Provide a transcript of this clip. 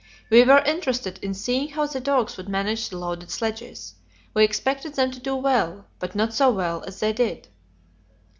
We were interested in seeing how the dogs would manage the loaded sledges. We expected them to do well, but not so well as they did.